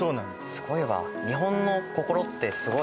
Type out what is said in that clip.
すごいわ。